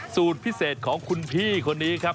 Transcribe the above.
สูตรพิเศษของคุณพี่คนนี้ครับ